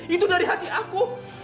itu dari hati aku